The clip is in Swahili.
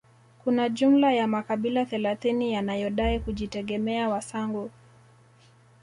Kuna jumla ya makabila thelathini yanayodai kujitegemea Wasangu